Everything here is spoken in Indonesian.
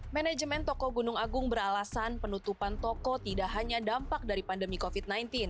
manajemen toko gunung agung beralasan penutupan toko tidak hanya dampak dari pandemi covid sembilan belas